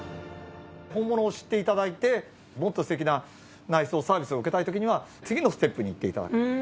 本物を知っていただいて、もっとすてきな、ナイスなサービスを受けたいときには、次のステップに行っていただく。